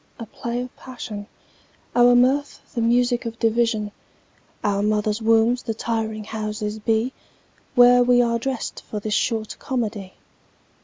A play of passion, Our mirth the music of division, Our mother's wombs the tiring houses be, Where we are dressed for this short comedy.